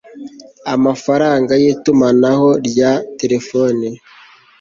amafaranga y itumanaho rya telefoni